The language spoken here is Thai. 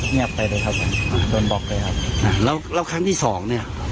เงียบไปเลยครับอ่าโดนบล็อกเลยครับอ่าแล้วแล้วครั้งที่สองเนี้ย